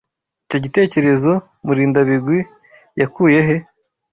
Icyo gitekerezo Murindabigwi yakuye he?